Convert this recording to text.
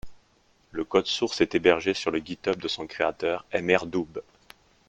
Le code source est hébergé sur le GitHub de son créateur mrDoob.